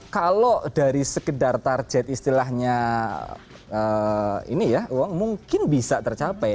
kalau dari sekedar target istilahnya ini ya uang mungkin bisa tercapai